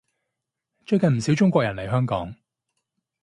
最近唔少中國人嚟香港